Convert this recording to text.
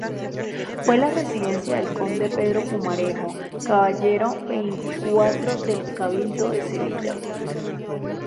Fue la residencia del conde Pedro Pumarejo, caballero veinticuatro del Cabildo de Sevilla.